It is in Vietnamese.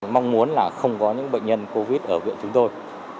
mong muốn là không có những bệnh nhân covid ở viện chúng tôi